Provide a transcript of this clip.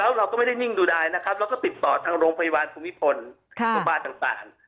แล้วเราก็ไม่ได้นิ่งดูดายนะครับแล้วก็ติดต่อทางโรงพยาบาลภูมิพลโรงพยาบาลต่าง